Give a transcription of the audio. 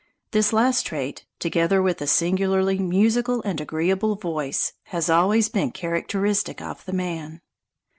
This last trait, together with a singularly musical and agreeable voice, has always been characteristic of the man.